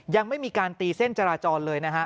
ยังไม่มีการตีเส้นจราจรเลยนะฮะ